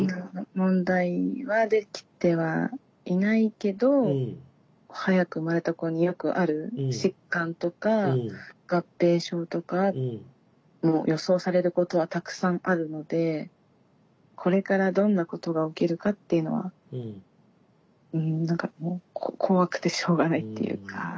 問題はできてはいないけど早く生まれた子によくある疾患とか合併症とか予想されることはたくさんあるのでこれからどんなことが起きるかっていうのは何かもう怖くてしょうがないっていうか。